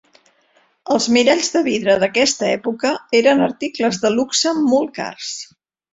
Els miralls de vidre d'aquesta època eren articles de luxe molt cars.